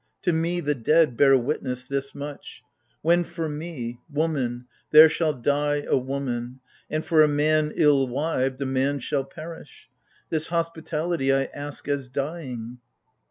to me, the dead, bear witness this much : When, for me — woman, there shall die a woman. And, for a man ill wived, a man shall perish ! This hospitality I ask as dying.